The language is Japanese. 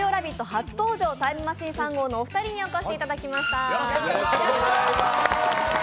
初登場タイムマシーン３号のお二人にお越しいただきました。